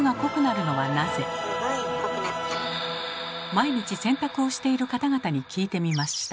毎日洗濯をしている方々に聞いてみました。